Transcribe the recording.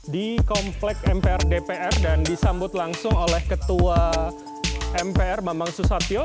di komplek mpr dpr dan disambut langsung oleh ketua mpr bambang susatyo